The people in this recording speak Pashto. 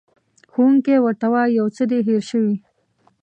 ښوونکی ورته وایي، یو څه دې هېر شوي.